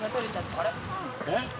えっ？